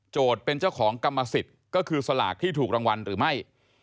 เป็นเจ้าของกรรมสิทธิ์ก็คือสลากที่ถูกรางวัลหรือไม่